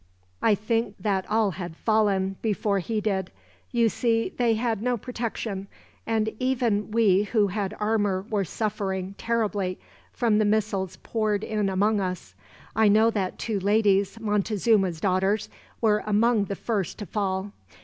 "I think that all had fallen, before he did. You see, they had no protection; and even we who had armor were suffering, terribly, from the missiles poured in among us. I know that two ladies, Montezuma's daughters, were among the first to fall.